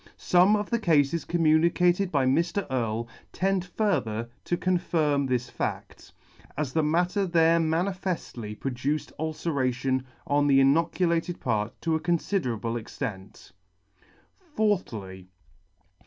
Some of the Cafes communicated by Mr. Earle tend further to confirm this fadt, as the matter there manifeftly produced ulceration on the inoculated part to a confiderable extent. 4thly.